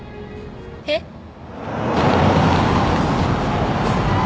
えっ？